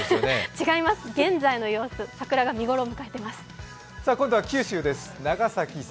違います、現在の様子桜が見頃を迎えています。